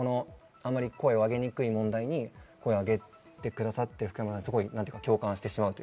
あまり声をあげにくい問題に声を上げてくださっている福山さんに共感します。